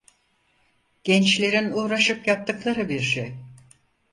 Gençlerin uğraşıp yaptıkları bir şey…